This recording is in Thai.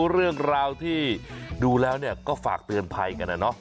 เรื่องราวที่ดูแล้วก็ฝากเตือนภัยกันนะเนาะ